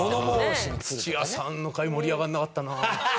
土屋さんの回盛り上がらなかったな。